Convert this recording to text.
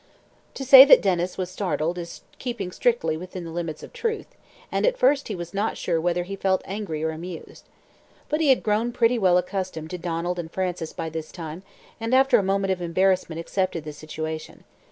To say that Denys was startled is keeping strictly within the limits of truth, and at first he was not sure whether he felt angry or amused. But he had grown pretty well accustomed to Donald and Frances by this time, and after a moment of embarrassment accepted the situation.